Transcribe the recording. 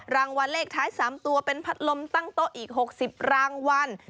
รางวัลเลขท้าย๓ตัวเป็นพัดลมตั้งโต๊ะอีก๖๐รางวัล